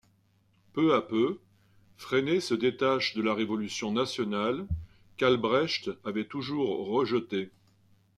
Peu à peu, Frenay se détache de la Révolution nationale qu'Albrecht avait toujours rejetée.